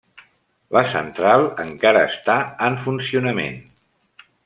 La central encara està en funcionament.